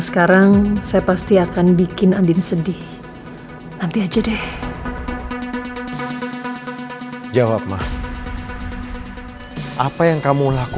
sampai jumpa di video selanjutnya